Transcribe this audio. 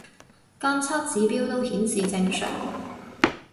監測指標都顯示正常